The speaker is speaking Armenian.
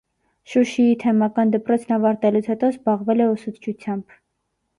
Շուշիի թեմական դպրոցն ավարտելուց հետո զբաղվել է ուսուցչությամբ։